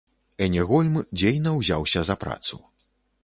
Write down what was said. Энегольм дзейна ўзяўся за працу.